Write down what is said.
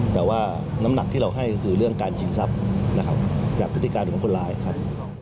แต่ว่าน้ำหนักที่เราให้ก็คือเรื่องการชิงทรัพย์นะครับจากพฤติการของคนร้ายครับ